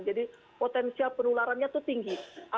jadi potensial penularannya itu tinggi